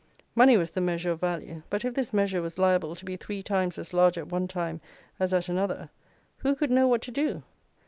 Money was the measure of value; but if this measure was liable to be three times as large at one time as at another, who could know what to do?